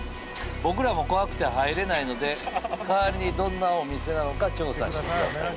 「僕らも怖くて入れないので代わりにどんなお店なのか調査してください」。